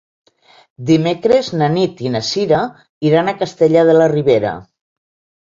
Dimecres na Nit i na Sira iran a Castellar de la Ribera.